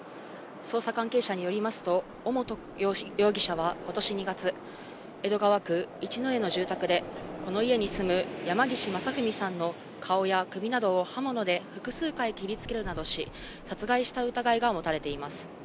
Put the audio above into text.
捜査関係者によりますと、尾本容疑者はことし２月、江戸川区一之江の住宅で、この家に住む山岸正文さんの顔や首などを刃物で複数回切りつけるなどし、殺害した疑いが持たれています。